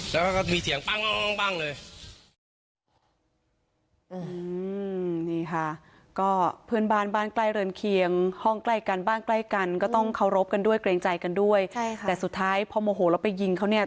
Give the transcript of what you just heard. แล้วก็มีเสียงปั้งเลย